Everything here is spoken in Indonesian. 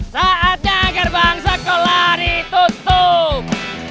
saatnya gerbang sekolah ditutup